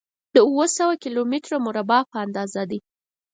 د اووه سوه کيلو متره مربع په اندازه دی.